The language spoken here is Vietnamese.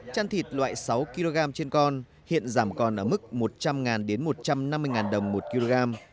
chăn thịt loại sáu kg trên con hiện giảm còn ở mức một trăm linh đến một trăm năm mươi đồng một kg